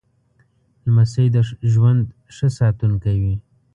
لمسی د ژوند ښه ساتونکی وي.